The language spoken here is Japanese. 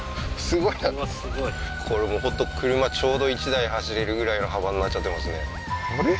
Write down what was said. すごいこれもう本当車ちょうど１台走れるぐらいの幅になっちゃってますねあれ？